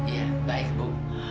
iya baik bu